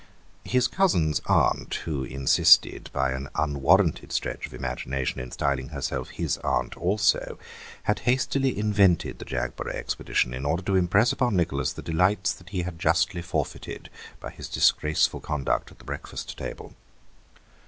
His cousins' aunt, who insisted, by an unwarranted stretch of imagination, in styling herself his aunt also, had hastily invented the Jagborough expedition in order to impress on Nicholas the delights that he had justly forfeited by his disgraceful conduct at the breakfast table.